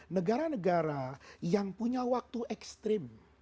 negara negara yang punya waktu ekstrim